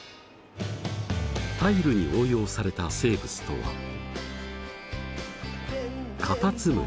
タイルに応用された生物とはカタツムリ。